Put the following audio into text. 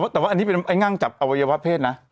แต่ว่าอันนี้เป็นไอ้ง่างจับอวัยวะเพศนะ